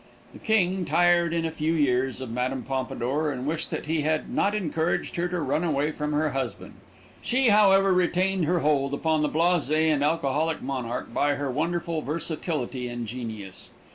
The king tired in a few years of Mme. Pompadour and wished that he had not encouraged her to run away from her husband. She, however, retained her hold upon the blasé and alcoholic monarch by her wonderful versatility and genius.